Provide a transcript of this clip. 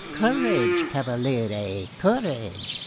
"Courage, cavaliere, courage!